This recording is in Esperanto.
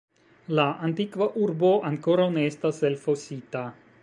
La antikva urbo ankoraŭ ne estas elfosita.